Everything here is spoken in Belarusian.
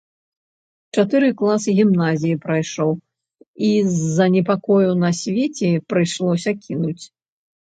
Чатыры класы гімназіі прайшоў, і з-за неспакою на свеце прыйшлося кінуць.